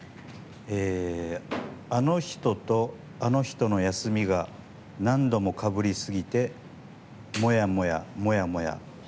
あの人と、あの人の休みが何度もかぶりすぎてモヤモヤ、モヤモヤ。